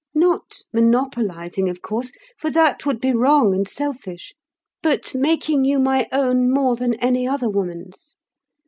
Not monopolising, of course, for that would be wrong and selfish; but making you my own more than any other woman's.